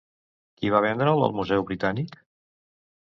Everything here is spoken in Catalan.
Qui va vendre'l al Museu Britànic?